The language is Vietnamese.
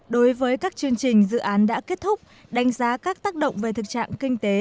đối với các chương trình dự án đã kết thúc đánh giá các tác động về thực trạng kinh tế